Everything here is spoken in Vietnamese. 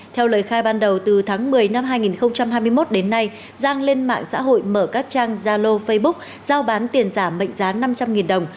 theo lời khai ban đầu từ tháng một mươi năm hai nghìn hai mươi một đến nay giang lên mạng xã hội mở các trang gia lô facebook giao bán tiền giả mệnh giá năm trăm linh đồng